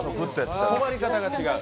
止まり方が違う。